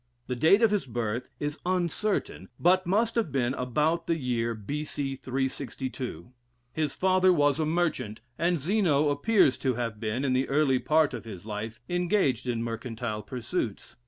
The date of his birth is uncertain, but must have been about the year B.C. 362. His father was a merchant, and Zeno appears to have been, in the early part of his life, engaged in mercantile pursuits.